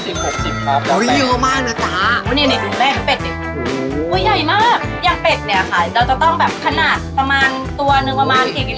แล้วยังเป็ดเนี่ยค่ะเราจะต้องแบบขนาดประมาณตัวหนึ่งประมาณกิโลอะไรแบบนี้ไหม